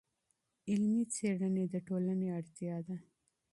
علمي څېړنې د ټولنې اړتیا ده.